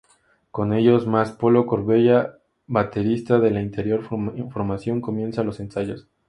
Con ellos, más Polo Corbella, baterista de la anterior formación, comienzan los ensayos.